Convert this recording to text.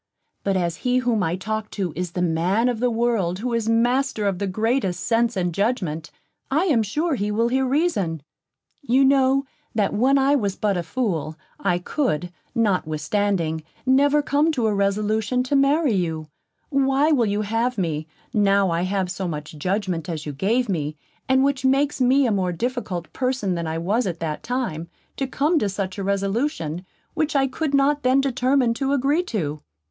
But as he whom I talk to is the man of the world who is master of the greatest sense and judgment, I am sure he will hear reason. You know, that when I was but a fool, I could, notwithstanding, never come to a resolution to marry you; why will you have me, now I have so much judgment as you gave me, and which makes me a more difficult person than I was at that time, to come to such a resolution, which I could not then determine to agree to?